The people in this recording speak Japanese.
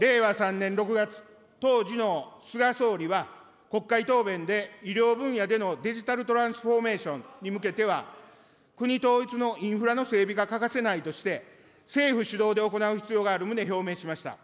令和３年６月、当時の菅総理は、国会答弁で医療分野でのデジタル・トランスフォーメーションに向けては、国統一のインフラの整備が欠かせないとして、政府主導で行う必要がある旨表明しました。